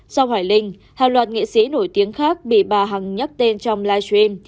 sau hoài linh hàng loạt nghị sĩ nổi tiếng khác bị bà hằng nhắc tên trong live stream